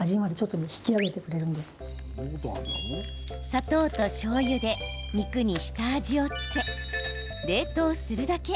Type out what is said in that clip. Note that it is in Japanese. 砂糖としょうゆで肉に下味を付け冷凍するだけ。